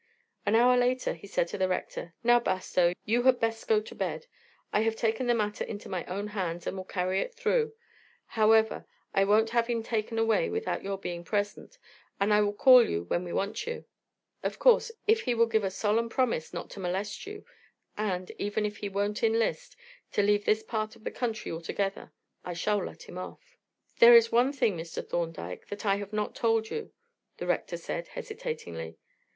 An hour later he said to the Rector: "Now, Bastow, you had best go to bed. I have taken the matter into my own hands, and will carry it through. However, I won't have him taken away without your being present, and will call you when we want you. Of course, if he will give a solemn promise not to molest you, and, even if he won't enlist, to leave this part of the country altogether, I shall let him off." "There is one thing, Mr. Thorndyke, that I have not told you," the Rector said hesitatingly.